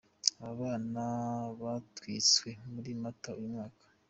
Aba bana batwitswe muri Mata uyu mwaka.